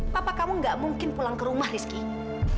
papa kamu gak mungkin pulang ke rumah rizky